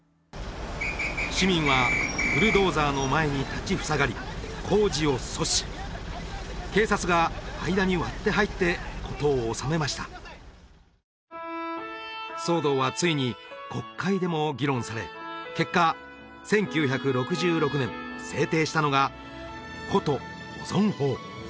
市民はブルドーザーの前に立ちふさがり工事を阻止警察が間に割って入って事を収めました騒動はついに国会でも議論され結果１９６６年制定したのが古都保存法